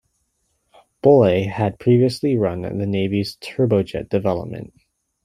Bollay had previously run the Navy's turbojet development.